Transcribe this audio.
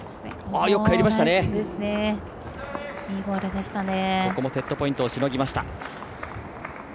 ここもセットポイントをしのぎました。